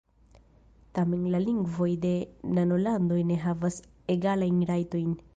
Tamen la lingvoj de nanolandoj ne havas egalajn rajtojn.